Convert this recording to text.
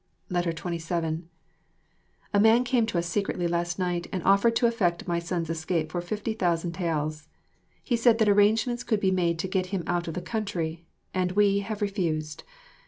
27 A man came to us secretly last night and offered to effect my son's escape for fifty thousand taels. He said that arrangements could be made to get him out of the country and we have refused!